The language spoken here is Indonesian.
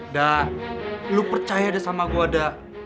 da lu percaya deh sama gue da